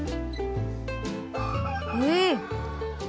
うん！